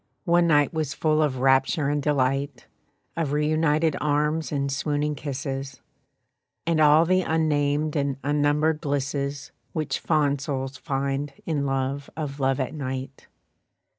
One night was full of rapture and delight Of reunited arms and swooning kisses, And all the unnamed and unnumbered blisses Which fond souls find in love of love at night.